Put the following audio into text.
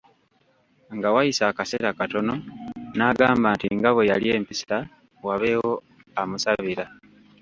Nga wayise akaseera katono n'agamba nti nga bwe yali empisa, wabeewo amusabira.